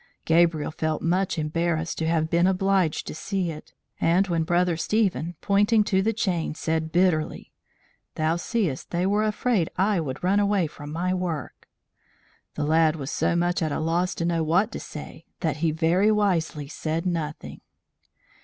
Gabriel felt much embarrassed to have been obliged to see it; and when Brother Stephen, pointing to the chain, said bitterly, "Thou seest they were afraid I would run away from my work," the lad was so much at a loss to know what to say, that he very wisely said nothing.